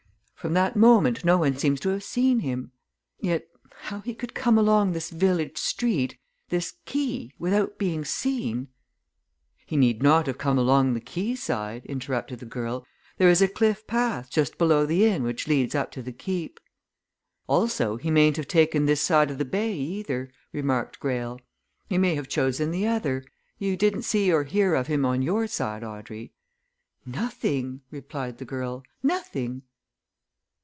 From that moment, no one seems to have seen him. Yet how he could come along this village street, this quay, without being seen " "He need not have come along the quayside," interrupted the girl. "There is a cliff path just below the inn which leads up to the Keep." "Also, he mayn't have taken this side of the bay, either." remarked Greyle. "He may have chosen the other. You didn't see or hear of him on your side, Audrey?" "Nothing!" replied the girl. "Nothing!"